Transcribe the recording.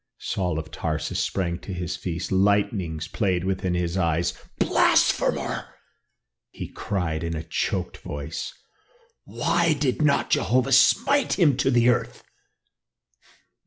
Saul of Tarsus sprang to his feet, lightnings played within his eyes. "Blasphemer!" he cried in a choked voice. "Why did not Jehovah smite him to the earth?"